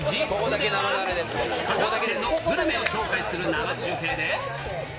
では、香川県のグルメを紹介する生中継で。